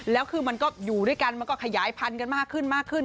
แล้วคือมันก็อยู่ด้วยกันมันก็ขยายพันธุ์กันมากขึ้นมากขึ้น